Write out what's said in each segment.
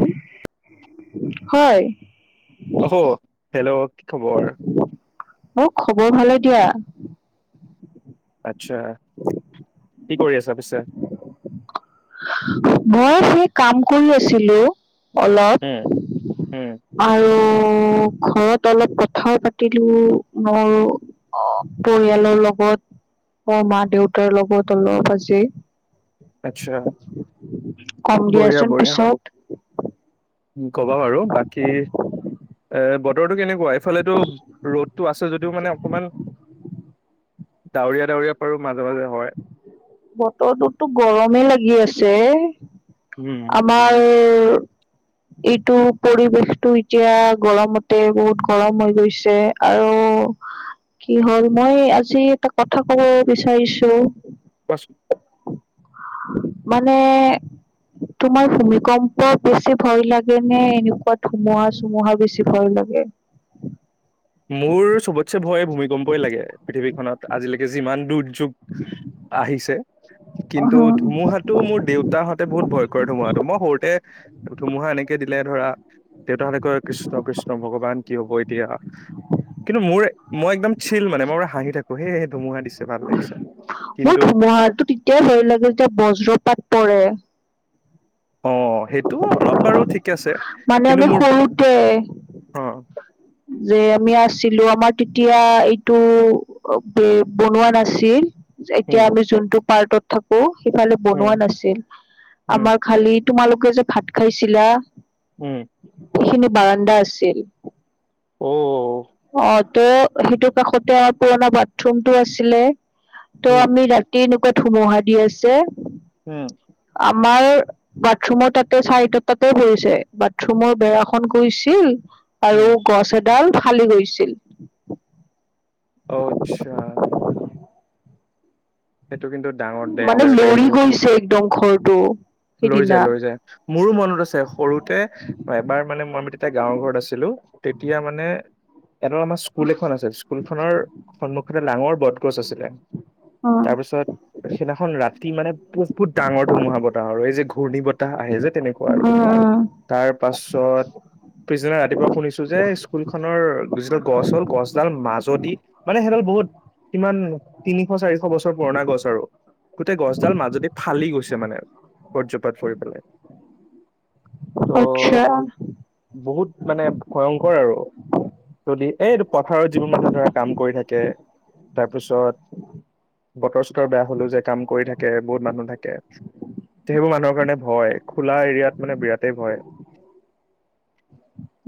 হো হয় অহ হেল্ল' কি খবৰ মোক, খবৰ ভালে দিয়া। আচ্ছা কি কৰি আছা পিছে মই সেই কাম কৰি আছিলো। উম অলপ উম আৰু অঁ, ঘৰত অলপ কথাও পাতিলো, নোৱাৰোঁ অঁ পৰিয়ালৰ লগত। অ মা দেউতাৰ লগত অলপ আজি আচ্ছা কম বঢ়িয়া দিয়াচোন বঢ়িয়া পিছত। কবা বাৰু বাকি এ বতৰটো কেনেকুৱা এইফালেতো ৰ'দটো আছে যদিও মানে অকমান ডাৱৰীয়া ডাৱৰীয়া পাৰোঁ মাজে মাজে হয় বতৰটোতো গৰমে লাগি আছে। উম আমাৰ টো এইটো পৰিৱেশটো ইতিয়া গৰমতে বহুত গৰম হৈ গৈছে আৰু। কি হ'ল মই আজি এটা কথা ক'ব বিচাৰিছোঁ কোৱাচোন মানে তোমাৰ ভূমিকম্প বেছি ভয় লাগে নে এনেকুৱা ধুমুহা চুমুহা বেছি ভয় লাগে গে মোৰ চবতচে ভয় ভূমিকম্পই লাগে পৃথিৱীখনত আজিলৈকে যিমান দূৰ যুগ আহিছে কিন্তু ধুমুহাটো মোৰ দেউতাৰ সতে বহুত ভয় কৰে ধুমুহাটো মই সৰুতে ধুমুহা এনেকে দিলে ধৰা দেউতাহঁতে কয় কৃষ্ণ কৃষ্ণ ভগৱান কি হ'ব এতিয়া কিন্তু মোৰ মই একদম চিল মানে মই পুৰা হাঁহি থাকো সে সে ধুমুহা দিছে ভাল লাগিছে মোৰ কিন্তু ধুমুহাটো তেতিয়াই ভয় লাগে যেতিয়া বজ্ৰপাত পৰে অ সেইটো অলপ বাৰু ঠিক আছে মানে আমি কিন্তু মোৰ সৰুতে অ [unintelligible] যে আমি আছিলো আমাৰ তেতিয়া এইটো বনোৱা নাছিল এতিয়া উম আমি যোনটো পাৰ্টত থাকো সেইফালে বনোৱা উম নাছিল উম আমাৰ খালি তোমালোকে যে ভাত খাইছিলা উম সেইখিনি বাৰান্দা আছিল অ অ অ ত' সেইটো কাষতে আৰু পুৰণা বাথৰুম টো আছিলে ত' উম আমি ৰাতি ন ধুমুহা দি আছে উম আমাৰ বাথৰুমৰ তাতে চাৰিটা তাতে পৰিছে বাথৰুমৰ বেৰাখন গৈছিল আৰু উম গছ এডাল ফালি গৈছিল। অ আচ্ছা সেইটো কিন্তু ডাঙৰ মানে ডেঞ্জাৰ দে লৰি বহুত গৈছে একদম ঘৰটো লৈ সিদিনা যায় লৈ যায় মোৰো মনত আছে সৰুতে এবাৰ মানে মই তেতিয়া গাঁৱৰ ঘৰত আছিলো তেতিয়া মানে এডাল আমাৰ স্কুল এখন আছিল স্কুলখনৰ সন্মুখতে ডাঙৰ বটগছ আছিলে। উম তাৰ পিছত সেইদিনাখন ৰাতি মানে বহুত ডাঙৰ ধুমুহা বতাহ আৰু এই যে ঘূৰ্ণী বতাহ আহে যে তেনেকুৱা উম আৰু উম তাৰ পাছত পিছদিনা ৰাতিপুৱা শুনিছো যে স্কুলখনৰ যিডাল গছ হ'ল গছডাল মাজদি মানে সেইডাল বহুত কিমান তিনিশ চাৰিশ বছৰ পুৰণা গছ আৰু। গোটেই গছডাল মাজদি ফালি গৈছে মানে ব্ৰজপাত পৰি পেলাই। ত' আতচ্ছা বহুত মানে ভয়ংকৰ আৰু যদি এই পথাৰত যিবোৰ মানুহে ধৰা কাম কৰি থাকে তাৰপিছত বতৰ চতৰ বেয়া হলো যে কাম কৰি থাকে বহুত মানুহ থাকে যেইবোৰ মানুহৰ কাৰণে ভয় খোলা এৰিয়াত মানে বিৰাটেই ভয়।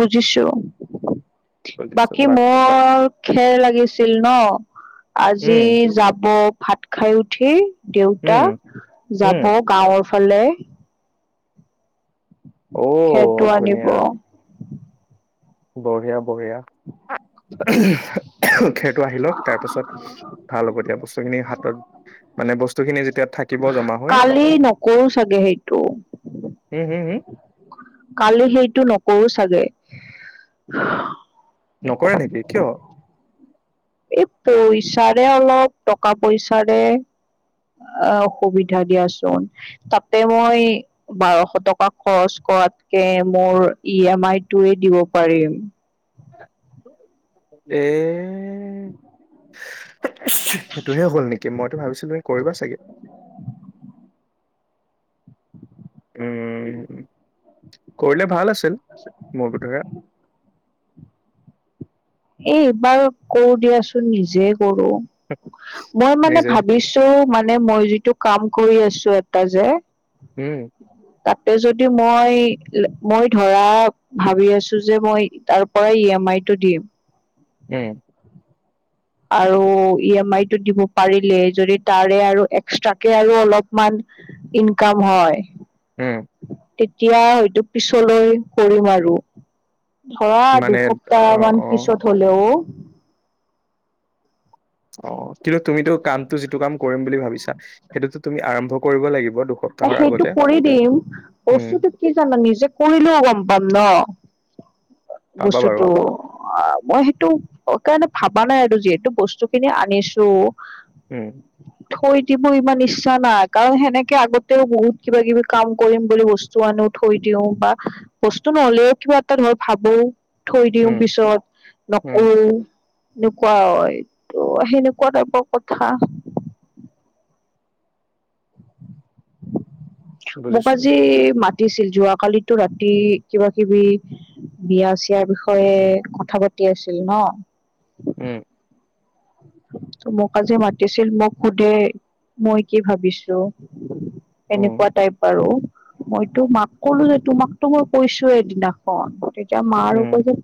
বুজিছো। বাকী মোৰ খেৰ লাগিছিল ন আজি উম যাব ভাত খাই উঠি দেউতা উম যাব উম গাঁৱত ভালে খেৰটো অ' আনিব ধুনীয়া বঢ়িয়া বঢ়িয়া। খেৰটো আহি লওক তাৰ পাছত ভাল হ'ব এতিয়া বস্তুখিনি হাতত মানে বস্তু কালি নকৰো চাগে সেইটো। হম হম হম কালি সেইটো নকৰো চাগে। নকৰে নেকি কিয়? এই পইচাৰে অলপ টকা পইচাৰে অ অসুবিধা দিয়াচোন তাতে মই বাৰশ টকা খৰচ কৰি হোৱাতকে মোৰ ই এম আই টোৱে দিব পাৰিম। এ সেইটোহে হ'ল নেকি মইতো ভাবিছিলো তুমি কৰিবা চাগে। উম কৰিলে ভাল আছিল মোৰ বোধেৰে এই এইবাৰ কৰো দিয়াচোন নিজে কৰ মই মানে নিজে ভাবিছো মানে মানে মই যিটো কাম কৰি আছো এটা যে উম তাতে যদি মই মই ধৰা ভাবি আছো যে মই তাৰ পৰাই ইয়া মাইটো দিম উম আৰু ই এম আই টো দিব পাৰিলে যদি তাৰে আৰু এক্সট্ৰাকে আৰু অলপমান ইনকাম হয় উম এতিয়া হয়টো পিছলৈ কৰিম আৰু। ধৰা মানে দুসপ্তাহ অ' মান অ' পিছত হলেও অ কিন্তু তুমিতো কামটো যিটো কাম কৰিম বুলি ভাবিছা সেইটোতো তুমি আৰম্ভ কৰিব লাগিব। দুসপ্তাহৰ সেইটো আগতে কৰি দিম উম, বস্তুটো কি জানা নিজে কৰিলেও গম পাম ন। পাবা বাৰু বস্তুটো অ মই সেইটো কাৰণে ভাবা নাই আৰু যিহেতু বস্তুখিনি আনিছো। উম থৈ দিব ইমান ইচ্ছা নাই। কাৰণ সেনেকে আগত তো বহুত কিবা-কিবি কাম কৰিম বুলি বস্তু আনোঁ, থৈ দিওঁ বা বস্তু নহ'লেও কিবা এটা ভাবোঁ, থৈ দিওঁ, উম, পিছত উম, নকৰোঁ। এনেকুৱা হয়। তো সেনেকুৱা টাইপৰ কথা। মোক বুজিছো আজি মাত ছিল। যোৱাকালিতো ৰাতি কিবা-কিবি বিয়া-চিয়াৰ বিষয়ে কথা পাতি আছিল ন'। উম। তো মোক আজি মাতিছিল। মোক সোধে মই কি ভাবিছোঁ, উম, এনেকুৱা টাইপ আৰু। মইতো মাক ক'লো যে, তোমাকতো মই কৈছোঁৱে সেইদিনাখন এতিয়া মা আৰু কয় উম, যে,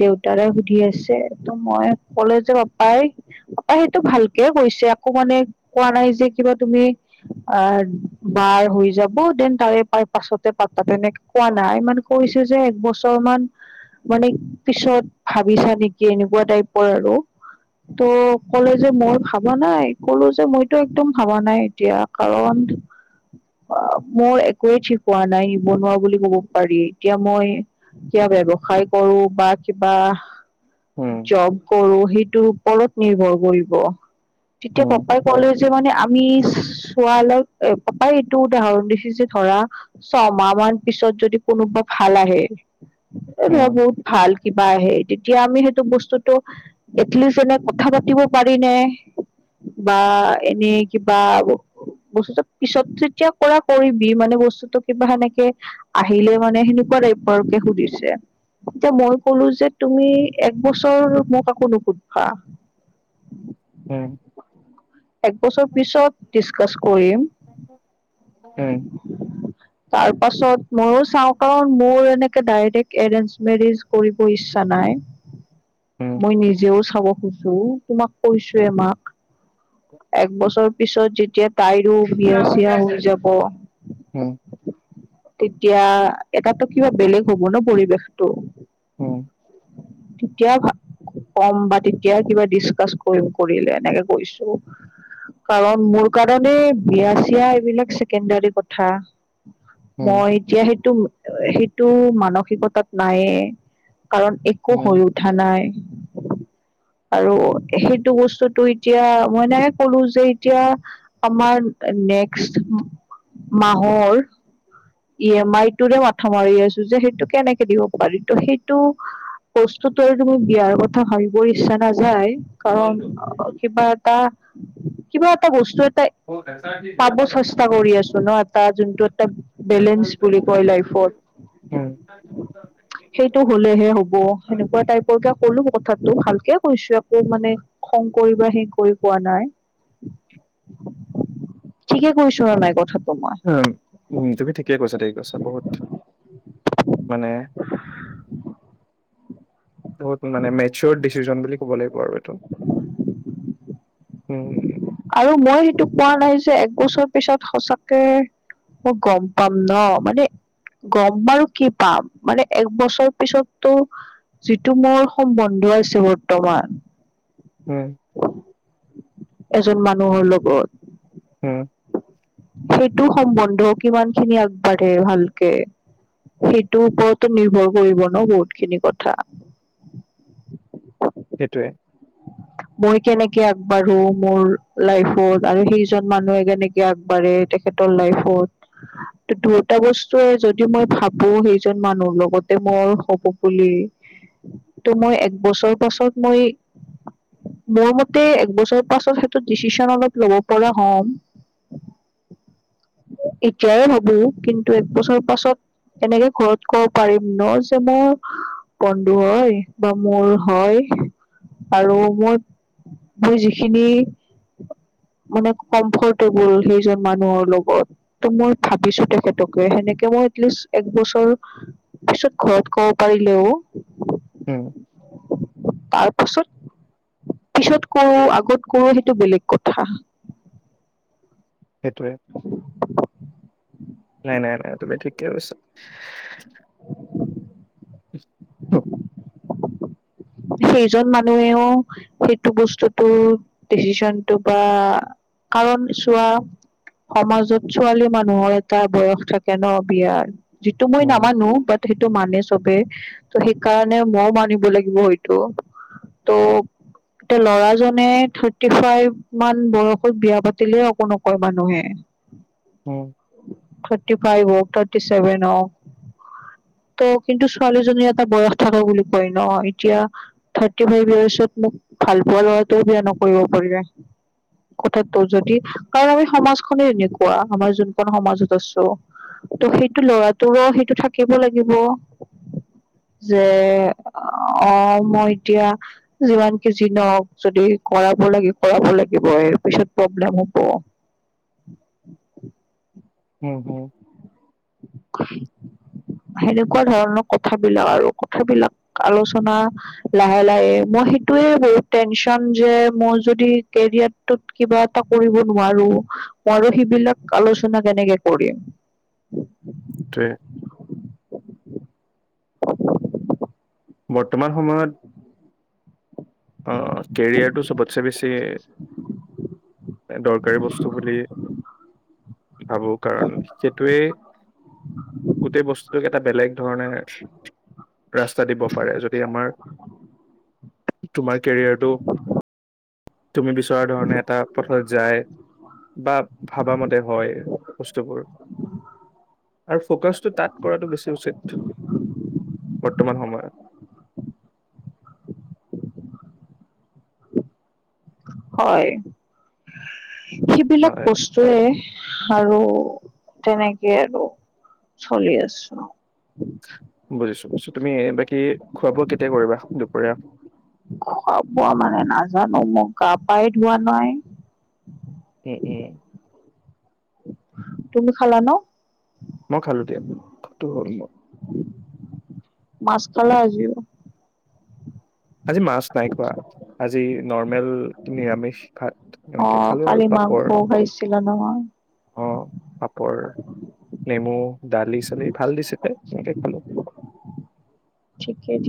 দেউতাৰে সুধি আছে। তো মই কলে য পাই। পাপাই সেইটো ভালকে কৈছে। আকৌ মানে কোৱা নাই যে, কিবা তুমি অ' বাৰ হৈ যাব, দেন তাৰে পাই- পাছতে পাতা তেনেকে কোৱা নাই। মানে কৈছে যে মুছলমান মানে পিছত ভাবিছা নেকি? এনেকুৱা টাইপৰ আৰু। তো ক'লো যে মই ভাবা নাই। ক'লো যে মইতো একদম ভাবা নাই এতিয়া। কাৰণ [unintelligible] অ' মোৰ একোৱে ঠিক হোৱা নাই। নিবনুৱা বুলি কব পাৰি। এতিয়া মই ব্যৱসায় কৰোঁ বা কিবা উম, জ'ব কৰোঁ সেইটো ওপৰত নিৰ্ভৰ কৰিব। তেতিয়া উম, পাপাই ক'লে যে মানে আমি চোৱা লৈ- এ পাপাই এইটো উদাহৰণ দিছে যে ধৰা ছমাহ মান পিছত যদি কোনোবা ভাল আহে এই উম, নহয়, বহুত ভাল কিবা আহে, তেতিয়া আমি সেইটো বস্তুটো দেখলি যেনে কথা পাতিব পাৰিনে বা এনে কিবা বস্তুটো পিছত যেতিয়া কৰা, কৰিবি। মানে বস্তুটো কিবা সেনেকে আহিলে মানে সেনে পৰ এইপৰকে সুধিছে। এতিয়া মই ক'লো যে, তুমি এক বছৰ মোক আকৌ নুসুধবা। উম, উম, উম। একবছৰ পিছত ডিছকাছ কৰিম। উম। তাৰ পাছত মইয়ো চাওঁ, কাৰণ মোৰ এনেকে ডাইৰেক্ট এৰেঞ্জ মেৰেজ কৰি- কৰিছ ইচ্ছা নাই। মই নিজেও চাব খোজোঁ। তোমাক কৈছোঁৱে মাক। একবছৰ পিছত যেতিয়া তাইৰো বিয়া-ছিয়া হৈ যাব তেতিয়া এটাতো কিবা বেলেগ হ'ব ন', পৰিৱেশটো। উম। তেতিয়া ভা কম বা তেতিয়াই কিবা ডিছকাছ কৰিম কৰিলে। এনেকে কৈছোঁ। কাৰণ মোৰ কাৰণে বিয়া-ছিয়া এইবিলাক কে ন্দৰি পথা। উম। মই এতিয়া সেইটো সেইটো মানসিকতাত নাইয়ে। কাৰণ একো হৈ উঠা নাই। আৰু সেইটো বস্তুটো এতিয়া মই এনেকে ক'লো যে, এতিয়া আমাৰ নেক্স মাহৰ ই এম আই টোৰে মাথা মাৰি আছোঁ, যে সেইটো কেনেকে দিব পাৰি। তো সেইটো বস্তুটোৰ তুমি বিয়াৰ কথা ভাবিবই ইচ্ছা নাযায়। কাৰণ কিবা এটা- কিবা এটা বস্তুৱে পাব চেষ্টা কৰি আছোঁ। ন', এটা যোনটো তই বেলেঞ্চ বুলি কয় লাইফত। উম, সেইটো হ'লেহে হ'ব। সেনেকুৱা টাইপৰকে ক'লো কথাটো ভালকে কৈছো আকৌ মানে খং বা সে কৰি কোৱা নাই। ঠিকে কৈছোঁ আৰু হ তুমি ঠিকে কৈছা ঠিকে কৈছা বহুত মানে বহুত মানে মেচিঅড ডিচিজন বুলি ক'ব লাগিব আৰু এইটো। উম,। আৰু মই সেইটো কোৱা নাই যে এক বছৰ পিছত সঁচাকে মই গম পাম ন মানে। গম বাৰু কি পাম মানে এক বছৰ পিছততো যিটো মোৰ সম্বন্ধ আছে বৰ্তমান উম, এজন মানুহৰ লগত হম। সেইটো সম্বন্ধ কিমান খিনি আগবাঢ়ে ভালকে সেইটোৰ ওপৰতো নিৰ্ভৰ কৰিব ন বহুত খিনি কথা সেইটোৱে। [unintelligible] মই কেনেকে আগবাঢ়ো মোৰ লাইফত আৰু সেইজন মানুহে কেনেকে আগবাঢ়ে তেখেতৰ লাইফত, দুয়োটা বস্তুৱে যদি মই ভাবো সেইজন মানুহৰ লগতে বৰ হব বুলি ত' মই একবছৰ পাছত মই মোৰ মতে একবছৰ পাছত সেইটো ডিচিশন অলপ ল'ব পৰা হ'ম। এতিয়াই ভাবো কিন্তু একবছৰ পাছত এনেকে ঘৰত কব পাৰিম ন যে মোৰ বন্ধু হয় বা মোৰ হয় আৰু মই মই যিখিনি মানে কমফৰ্টেবল সেইজন মানুহৰ লগত ত মই ভাবিছো তেখেতকে সেনেকে মই এতষ্টিচ এক বছৰ পিছত ঘৰত কব পাৰিলেও হম। তাৰ পাছত পিছত কৰোঁ আগত কৰোঁ সেইটো বেলেগ কথা। সেইটোৱে নাই নাই নাই। তুমি ঠিকে কৈছা। সেইজন মানুহেও সেইটো বস্তুতটো ডিচিশনটো বা কাৰণ চোৱা সমাজত ছোৱালী মানুহৰ এটা বয়স থাকে ন বিয়াৰ। যিটো মই নামানো বাট সেইটো মানে চবে ত' সেইকাৰণে মই মানিব লাগিব হয় ত তহ এতিয়া লৰাজনে থাৰ্টি ফাইভ মান বয়সত বিয়া পাতিলে একো নকয় মানুহে। উম। থাৰ্টি ফাইভ হওঁক থাৰটি ছেভেন হওঁক। ত' কিন্তু ছোৱালীজনী এটা বয়স থকা বুলি কয় ন এতিয়া। থাৰটি ফাইভ ইয়াৰচত মোক ভাল পোৱা লৰাটো বিয়া নকৰিব কথাটো যদি কাৰণ আমি সমাজখনে এনেকুৱা আমাৰ যোনখন সমাজত আছো ত' সেইটো লৰাটোৱ সেইটো থাকিব লাগিব। যে অ মই এতিয়া যিমান কি জিনক যদি কৰাব লাগে কৰাব লাগিব পিছত। প্ৰব্লেম হব। হম হম। [unintelligible] সেনেকুৱা ধৰণৰ কথাবিলাক আৰু কথাবিলাক আলোচনা লাহে লাহে মই সেইটোৱে বহুত টেনচন যে মই যদি কেৰিয়াৰটোত কিবা এটা কৰিব নোৱাৰো মই নো সেইবিলাক আলোচনা কেনেকে কৰিম? তাকে। বৰ্তমান সময়ত। অ কেৰিয়াৰটোটো চবতচে বেছি দৰকাৰ উপকাৰি বস্তু বুলি ভাবো কাৰণ সেইটোৱে গোটেই বস্তুটোক এটা বেলেগ ধৰণে ৰাস দিব পাৰে যদি আমাৰ তোমাৰ কেৰিয়াৰটো তুমি বিচৰা ধৰণে এটা পথত যায় বা ভাবা মতে হয় বস্তুবোৰ আৰু ফ'কাচটো তাত কৰাটো বেছি উচিত। মই হয় সেইবিলাক বস্তুৱে আৰু তেনেকেই আৰু চলি আছো বুজিছো তুমি বাকী খোৱা বোৱা কেতিয়া কৰিবা দুপৰীয়া। খোৱা বোৱা মানে নাজানো মোক গা পাই ধোৱা নাই এ এ তুমি খালা ন মই খালোঁ দিয়া ভাতটো হ'ল মোৰ মাছ খালা আজিও আজি মাছ নাই খোৱা আজি নৰ্মেল। নিৰামিষ ভাত অ এনেকে খালো আৰু কালি পাপৰ। মাংসও খাইছিলা নহয় অ' পাপৰ নেমু দালি চালি ভাল দিছে দে এনেকে খালো ঠিকে ঠি